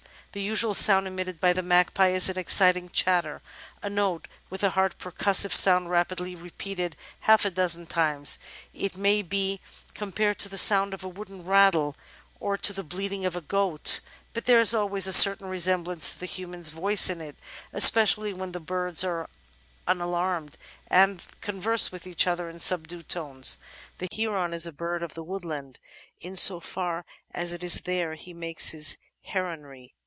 "The usual sound emitted by the magpie is an excited chatter — ^a note with a hard percussive sound rapidly repeated half a dozen times. It may be compared to the sound of a wooden rattle or to the bleating 420 The Outline of Science of a goat^ but there is always a certain resemblance to the human voice in it, especially when the birds are unalarmed, and converse with each other in subdued tones." The Heron is a bird of the woodland, in so far as it is there he makes his heronry.